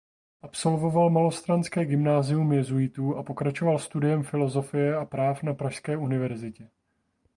Absolvoval malostranské gymnázium jezuitů a pokračoval studiem filozofie a práv na pražské univerzitě.